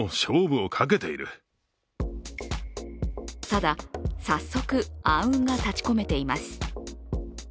ただ、早速暗雲が立ちこめています。